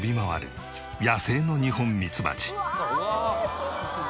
きれいな色。